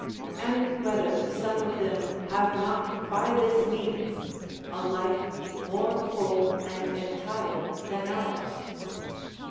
and whether some of them have not by this means a life more full and entire than ours?